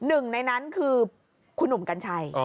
หนึ่งในนั้นคือคุณหนุ่มกัญชัย